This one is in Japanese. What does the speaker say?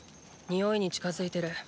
臭いに近づいてる。